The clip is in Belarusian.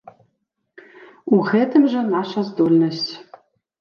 У гэтым жа наша здольнасць.